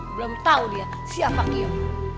belum tau dia siapa kiem